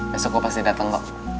besok gue pasti dateng lo